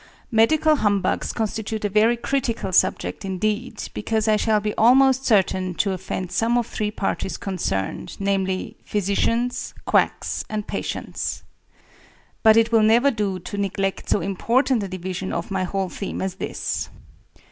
Medical humbugs constitute a very critical subject indeed, because I shall be almost certain to offend some of three parties concerned, namely; physicians, quacks, and patients. But it will never do to neglect so important a division of my whole theme as this.